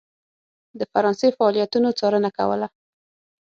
د فرانسې فعالیتونو څارنه کوله.